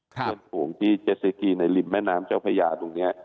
เพราะผมที่เจซิกีในริมแม่น้ำเจ้าพยาตรงนี้